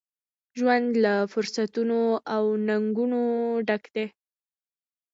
ژوند له فرصتونو ، او ننګونو ډک دی.